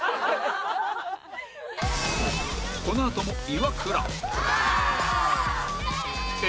このあともイワクラ Ａ